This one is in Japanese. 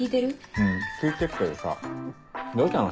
うん聞いてっけどさどうしたの？